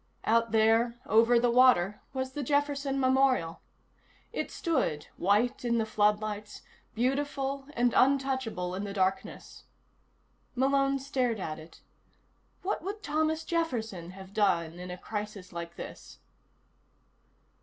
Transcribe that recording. Out there, over the water, was the Jefferson Memorial. It stood, white in the floodlights, beautiful and untouchable in the darkness. Malone stared at it. What would Thomas Jefferson have done in a crisis like this?